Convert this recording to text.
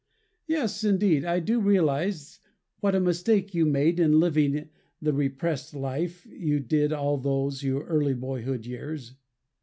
Yes, indeed, I do realize what a mistake you made in living the repressed life you did all those early boyhood years.